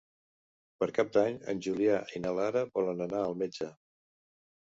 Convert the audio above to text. Per Cap d'Any en Julià i na Lara volen anar al metge.